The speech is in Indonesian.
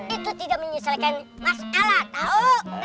itu tidak menyesalkan masalah tau